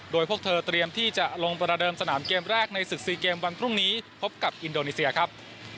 โดยพวกเธอเตรียมที่จะลงประเดิมสนามเกมแรกในศึก๔เกมวันพรุ่งนี้พบกับอินโดนีเซียครับ